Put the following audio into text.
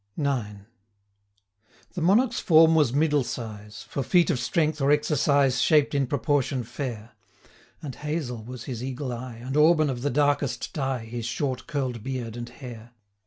IX. The Monarch's form was middle size; For feat of strength, or exercise, Shaped in proportion fair; 230 And hazel was his eagle eye, And auburn of the darkest dye, His short curl'd beard and hair.